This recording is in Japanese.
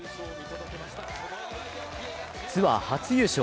ツアー初優勝。